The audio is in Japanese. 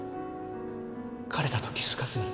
彼だと気付かずに。